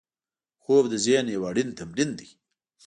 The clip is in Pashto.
خوب د ذهن یو اړین تمرین دی